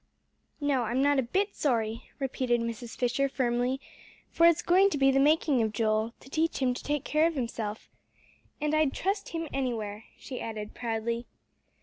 "No, I'm not a bit sorry," repeated Mrs. Fisher firmly, "for it's going to be the making of Joel, to teach him to take care of himself. And I'd trust him anywhere," she added proudly.